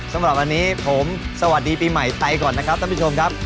สำหรับวันนี้ผมสวัสดีปีใหม่ไปก่อนนะครับท่านผู้ชมครับ